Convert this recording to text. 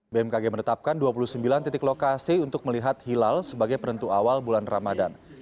bmkg menetapkan dua puluh sembilan titik lokasi untuk melihat hilal sebagai penentu awal bulan ramadan